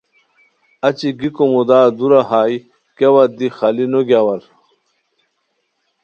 اچی گیکو مودا دُورہ ہائے کیا وت دی خالی نو گیاؤر